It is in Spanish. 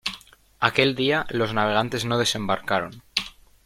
Aquel día los navegantes no desembarcaron.